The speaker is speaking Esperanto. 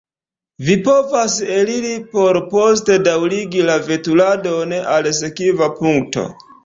Vi povas eliri por poste daŭrigi la veturadon al sekva punkto.